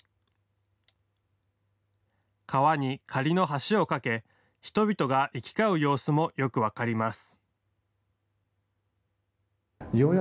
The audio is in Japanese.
川に仮の橋を架け人々が行き交う様子もよく分かります。